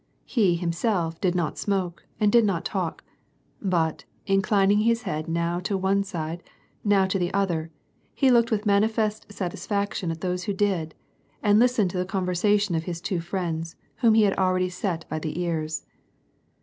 He, himself, did not smoke and did not talk, but, inclining his head now to one side, now to the other, he looked with manifest satisfaction at those who did, and listened to the conversation of his two friends, whom he had already set by the ears.